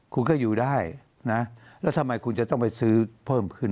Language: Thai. คุณก็อยู่ได้นะแล้วทำไมคุณจะต้องไปซื้อเพิ่มขึ้น